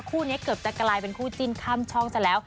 คู่นี้เกือบจะกลายเป็นคู่จิ้นข้ามช่องซะแล้ว